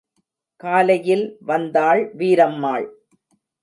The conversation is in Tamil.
காலையில் வந்தாள் வீரம்மாள்.